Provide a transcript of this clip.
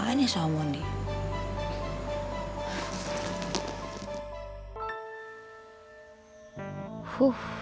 banyak yang aku mau nih